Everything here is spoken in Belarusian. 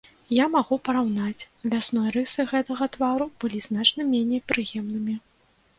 Я магу параўнаць, вясной рысы гэтага твару былі значна меней прыемнымі.